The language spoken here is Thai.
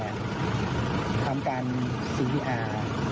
ผมยังอยากรู้ว่าว่ามันไล่ยิงคนทำไมวะ